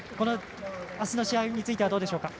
あすの試合についてはどうでしょうか？